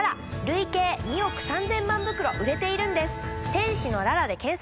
「天使のララ」で検索！